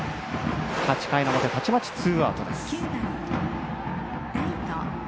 ８回の表、たちまちツーアウト。